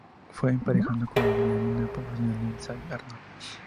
El fue emparejado con la bailarina profesional Lindsay Arnold.